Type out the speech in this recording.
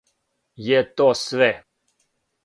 Је то све?